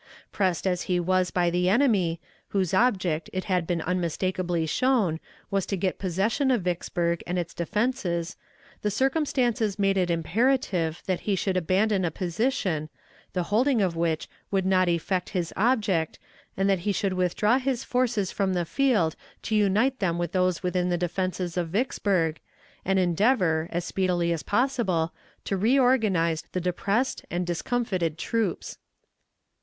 Pressed as he was by the enemy, whose object, it had been unmistakably shown, was to get possession of Vicksburg and its defenses, the circumstances made it imperative that he should abandon a position, the holding of which would not effect his object, and that he should withdraw his forces from the field to unite them with those within the defenses of Vicksburg, and endeavor, as speedily as possible, to reorganize the depressed and discomfited troops.